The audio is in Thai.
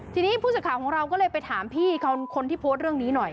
ทีนี้ผู้สื่อข่าวของเราก็เลยไปถามพี่คนที่โพสต์เรื่องนี้หน่อย